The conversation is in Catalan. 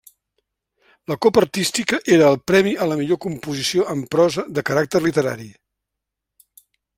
La Copa Artística era el premi a la millor composició en prosa de caràcter literari.